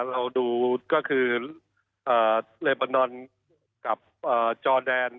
เราดูก็คือเลบานอนกับจอแดน